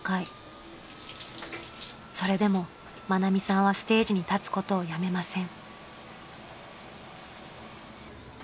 ［それでも愛美さんはステージに立つことをやめません］